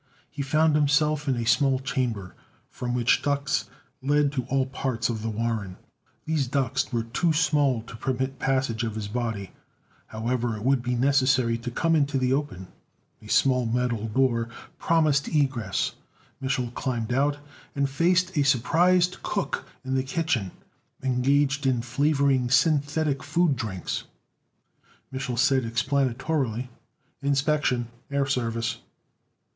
He found himself in a small chamber, from which ducts led to all parts of the warren. These ducts were too small to permit passage of his body, however; it would be necessary to come into the open. A small metal door promised egress. Mich'l climbed out, and faced a surprised cook in the kitchen, engaged in flavoring synthetic food drinks. Mich'l said explanatorily: "Inspection, air service."